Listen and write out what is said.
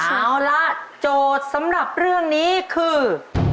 เอาละโจทย์สำหรับเรื่องนี้คือ